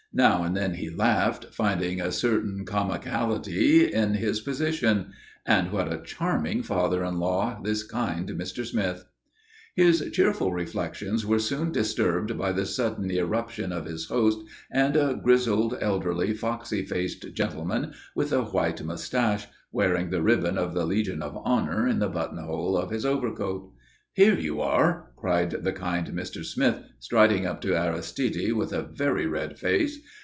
Now and then he laughed, finding a certain comicality in his position. And what a charming father in law, this kind Mr. Smith! His cheerful reflections were soon disturbed by the sudden irruption of his host and a grizzled, elderly, foxy faced gentleman with a white moustache, wearing the ribbon of the Legion of Honour in the buttonhole of his overcoat. "Here, you!" cried the kind Mr. Smith, striding up to Aristide, with a very red face.